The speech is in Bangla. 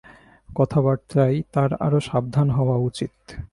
কথাবার্তায় তার আরো সাবধান হওয়া উচিত।